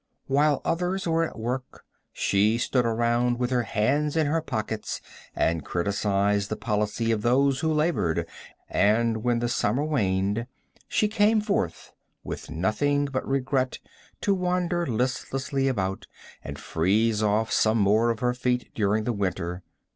While others were at work she stood around with her hands in her pockets and criticised the policy of those who labored, and when the summer waned she came forth with nothing but regret to wander listlessly about and freeze off some more of her feet during the winter.